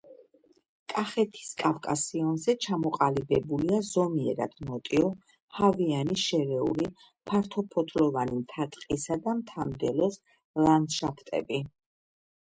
კახეთის კავკასიონზე ჩამოყალიბებულია ზომიერად ნოტიო ჰავიანი შერეული ფართოფოთლოვანი მთა-ტყისა და მთა-მდელოს ლანდშაფტები.